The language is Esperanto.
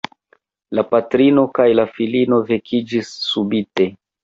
La patrino kaj la filino vekiĝis subite.